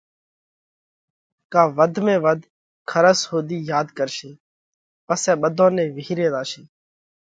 ڪا وڌ ۾ وڌ کرس ۿُوڌِي ياڌ ڪرشي پسئہ ٻڌون نئہ وِيهري زاشي۔